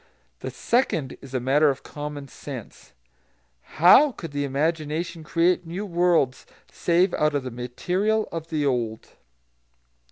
The second is a matter of common sense. How could the imagination create new worlds, save out of the material of the old?